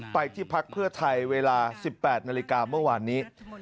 ไปที่พักเพื่อไทยเวลา๑๘นาฬิกาเมื่อวานนี้